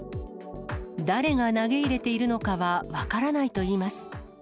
誰が投げ入れているのかは分からないといいます。